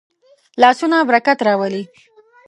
لاسونه برکت راولي